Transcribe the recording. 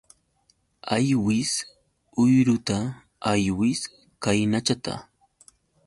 Aywis uyruta aywis kaynachata.